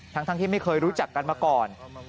ทั้งที่ไม่เคยรู้จักกันมาก่อน